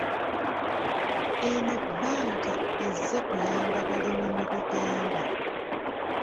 Eno bbanka ezze kuyamba balimi mu Uganda.